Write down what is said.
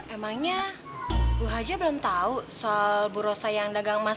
emangnya bu haja belum tahu soal buruh sayang dagang emas